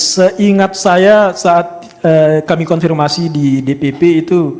seingat saya saat kami konfirmasi di dpp itu